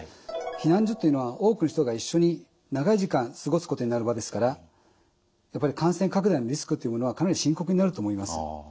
避難所というのは多くの人が一緒に長い時間過ごすことになる場ですからやっぱり感染拡大のリスクというものはかなり深刻になると思います。